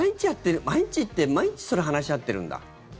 毎日って毎日、それ話し合ってるんだ。